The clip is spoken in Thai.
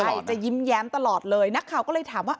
ใช่จะยิ้มแย้มตลอดเลยนักข่าวก็เลยถามว่า